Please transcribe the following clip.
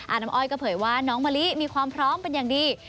น้ำอ้อยก็เผยว่าน้องมะลิมีความพร้อมเป็นอย่างดี